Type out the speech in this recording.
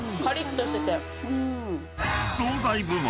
［惣菜部門